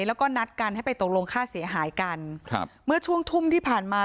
แล้วก็นัดกันให้ไปตกลงค่าเสียหายกันครับเมื่อช่วงทุ่มที่ผ่านมา